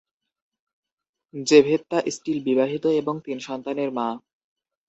জেভেত্তা Steele বিবাহিত এবং তিন সন্তানের মা।